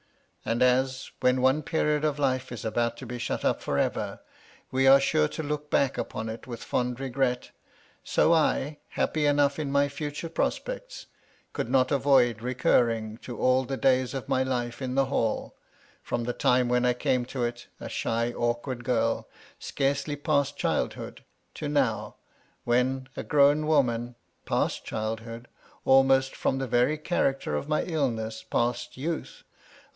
And as, when one period of life is about to be shut up for ever, we are sure to look back upon it with fond regret, so I, happy enough in my future prospects, could not avoid recurring to all the days of my life in the Hall, from the time when I came to it, a shy, awkward girl, scarcely past childhood, to now, when a grown woman, — past childhood — ahnost, from the very character of my illness, past youth, — I MY LADY LUDLOW.